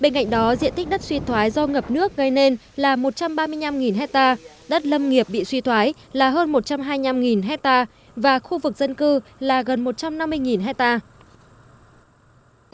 bên cạnh đó diện tích đất suy thoái do ngập nước gây nên là một trăm ba mươi năm hectare đất lâm nghiệp bị suy thoái là hơn một trăm hai mươi năm hectare và khu vực dân cư là gần một trăm năm mươi hectare